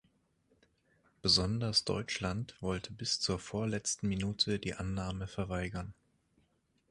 Besonders Deutschland wollte bis zur vorletzten Minute die Annahme verweigern.